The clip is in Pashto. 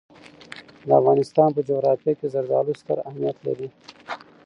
د افغانستان په جغرافیه کې زردالو ستر اهمیت لري.